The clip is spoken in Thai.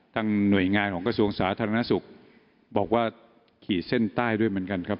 หน่วยงานของกระทรวงสาธารณสุขบอกว่าขี่เส้นใต้ด้วยเหมือนกันครับ